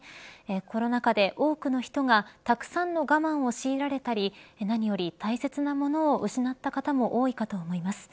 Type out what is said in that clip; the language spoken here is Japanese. コロナ禍で多くの人がたくさんの我慢を強いられたり何より、大切なものを失った方も多いかと思います。